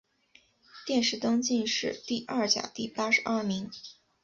殿试登进士第二甲第八十二名。